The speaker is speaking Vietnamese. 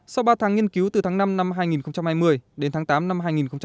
sau ba tháng nghiên cứu từ tháng năm năm hai nghìn hai mươi đến tháng tám năm hai nghìn hai mươi